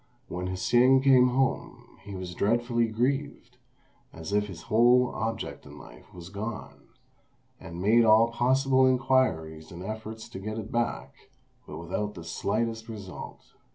When Hsing came home, he was dreadfully grieved, as if his whole object in life was gone; and made all possible inquiries and efforts to get it back, but without the slightest result.